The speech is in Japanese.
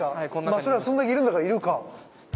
まあそりゃあそんだけいるんだからいるか。